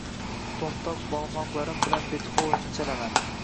To’mtoq barmoqlarim bilan Betxovenni chalaman